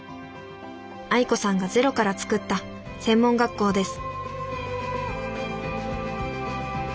愛子さんがゼロから作った専門学校です